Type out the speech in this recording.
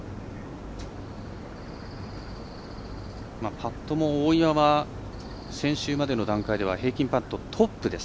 パットも大岩は先週までの段階では平均パットトップです。